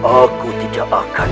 aku tidak akan